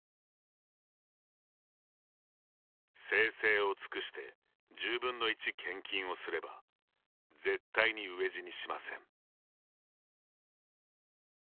「精誠を尽くして１０分の１献金をすれば絶対に飢え死にしません。」